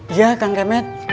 iya kang kebet